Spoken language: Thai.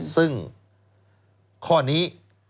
ซึ่งข้อนี้